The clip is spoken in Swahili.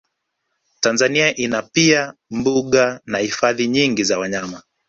Tanzania inazo pia mbuga na hifadhi nyingi za wanyama